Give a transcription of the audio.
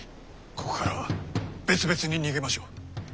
ここからは別々に逃げましょう。